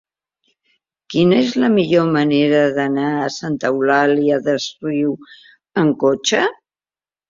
Quina és la millor manera d'anar a Santa Eulària des Riu amb cotxe?